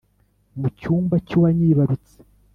mu cyumba cy’uwanyibarutse